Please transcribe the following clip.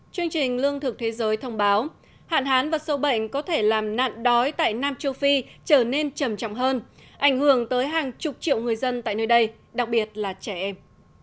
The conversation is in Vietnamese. chương trình lương thực thế giới thông báo hạn hán và sâu bệnh có thể làm nạn đói tại nam châu phi trở nên trầm trọng hơn ảnh hưởng tới hàng chục triệu người dân tại nơi đây đặc biệt là trẻ em